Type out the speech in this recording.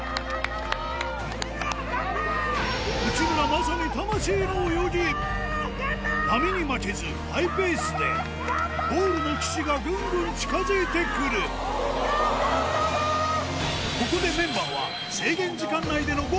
まさに波に負けずハイペースでゴールの岸がぐんぐん近づいてくる部長ガンバです！